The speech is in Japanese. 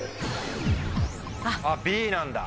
あっＢなんだ。